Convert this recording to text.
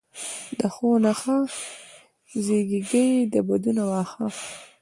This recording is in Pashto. دښو نه ښه زیږیږي، د بدونه واښه.